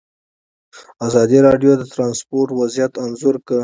ازادي راډیو د ترانسپورټ وضعیت انځور کړی.